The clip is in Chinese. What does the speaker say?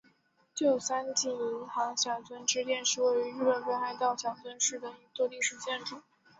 旧三井银行小樽支店是位于日本北海道小樽市的一座历史建筑。